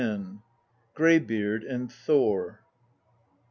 GREYBEARD AND THOR.